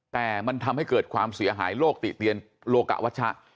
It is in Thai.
แต่มันทำให้เกิดความเสียหายโลกติเตียนโลกะวัชชะ